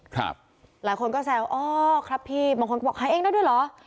หลายคนก็แซวอ๋อครับพี่บางคนก็บอกขายเองได้ด้วยเหรอ